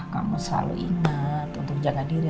kamu selalu ingat untuk jaga diri